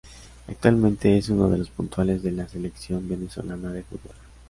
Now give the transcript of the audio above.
Actualmente es uno de los puntales de la selección venezolana de fútbol.